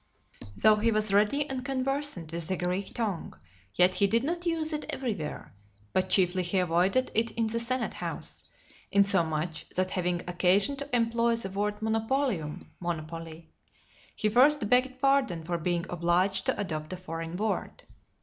LXXI. Though he was ready and conversant with the Greek tongue, yet he did not use it everywhere; but chiefly he avoided it in the senate house, insomuch that having occasion to employ the word monopolium (monopoly), he first begged pardon for being obliged to adopt a foreign word.